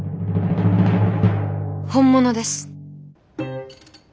本物です。